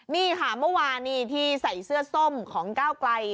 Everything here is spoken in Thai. เมื่อวานที่ใส่เสื้อส้มของเก้าไกล